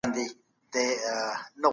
د مېوو خوړل د بدن لپاره ګټور دي.